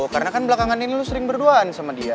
karena kan belakangan ini lo sering berduaan sama dia